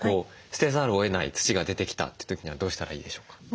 捨てざるをえない土が出てきたという時にはどうしたらいいでしょうか？